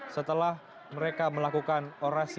setelah mereka melakukan orasi